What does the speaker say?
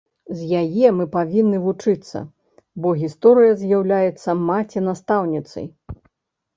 З яе мы павінны вучыцца, бо гісторыя з'яўляецца маці-настаўніцай.